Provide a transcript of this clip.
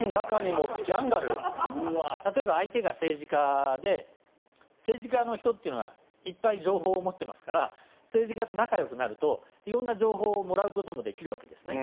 例えば相手が政治家で政治家の人っていうのはいっぱい情報を持ってますから政治家と仲よくなるといろんな情報をもらうこともできるわけですね。